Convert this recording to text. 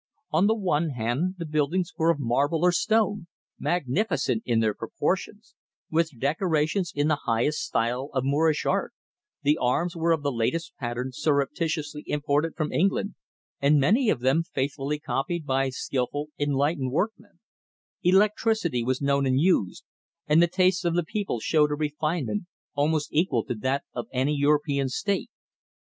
On the one hand the buildings were of marble or stone, magnificent in their proportions, with decorations in the highest style of Moorish art, the arms were of the latest pattern surreptitiously imported from England and many of them faithfully copied by skilful, enlightened workmen; electricity was known and used, and the tastes of the people showed a refinement almost equal to that of any European state.